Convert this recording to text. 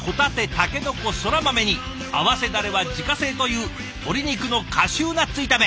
竹の子そら豆に合わせだれは自家製という鶏肉のカシューナッツ炒め。